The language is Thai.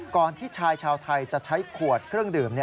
ที่ชายชาวไทยจะใช้ขวดเครื่องดื่ม